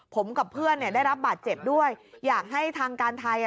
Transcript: ผมกับเพื่อนเนี่ยได้รับบาดเจ็บด้วยอยากให้ทางการไทยอ่ะ